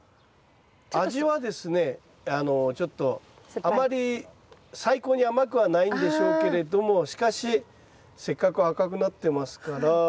ちょっとあまり最高に甘くはないんでしょうけれどもしかしせっかく赤くなってますから。